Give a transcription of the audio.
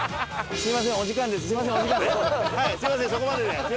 すみません！